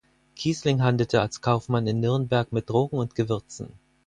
Kießling handelte als Kaufmann in Nürnberg mit Drogen und Gewürzen.